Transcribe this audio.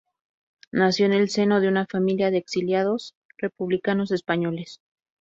Nació en el seno de una familia de exiliados republicanos españoles.